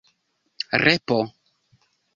repo